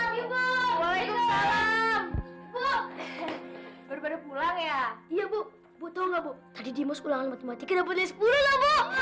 baru pulang ya iya bu bu tahu nggak bu tadi di mosul ulangan matematik dapat sepuluh ya bu aduh